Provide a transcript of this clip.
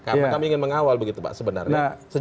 karena kami ingin mengawal begitu pak sebenarnya